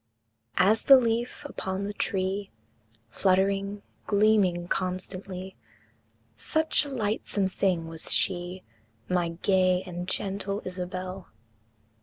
As the leaf upon the tree, Fluttering, gleaming constantly, Such a lightsome thing was she, My gay and gentle Isabel!